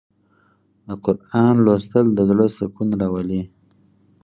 د قرآن لوستل د زړه سکون راولي.